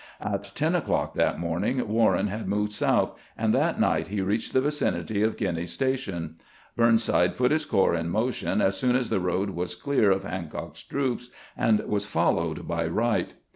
At ten o'clock that morning Warren had moved south, and that night he reached the vicinity of Guiney's Station. Burnside put his corps in motion as soon as the road was clear of Hancock's troops, and was followed by Wright.